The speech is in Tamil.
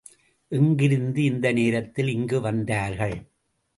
எங்கிருந்து இந்த நேரத்தில் இங்கு வந்தார்கள்?